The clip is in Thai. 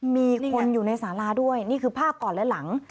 มีคนอยู่ในสาราด้วยนี่คือภาพก่อนและหลัง